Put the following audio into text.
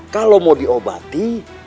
kalau mau diobati